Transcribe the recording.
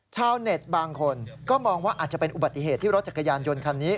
ชาวเน็ตบางคนก็มองว่าอาจจะเป็นอุบัติเหตุที่รถจักรยานยนต์คันนี้